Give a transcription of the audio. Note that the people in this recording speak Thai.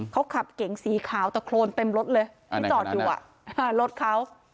เขาขับเก๋งสีขาวตะโครนเต็มรถเลยที่จอดอยู่รถเขา